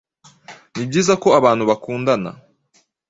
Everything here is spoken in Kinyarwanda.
nibyiza ko abantu bakundana